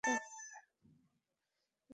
এবার দেখি কে কাহাকে নির্বাসিত করে।